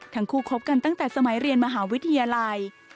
คบกันตั้งแต่สมัยเรียนมหาวิทยาลัย